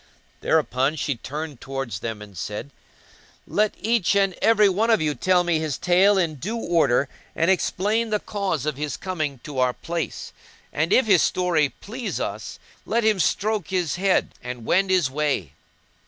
Thereupon she turned towards them and said, "Let each and every of you tell me his tale in due order and explain the cause of his coming to our place; and if his story please us let him stroke his head[FN#189] and wend his way."